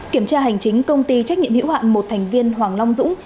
kiểm tra hành chính công ty trách nhiệm hữu hạn một thành viên hoàng long dũng